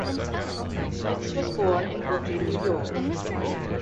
Smits was born in Brooklyn, New York.